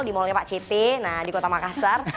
di mallnya pak ct nah di kota makassar